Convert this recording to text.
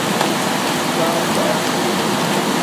گاٹ ئس